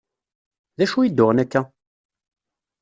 D acu i d-uɣen akka?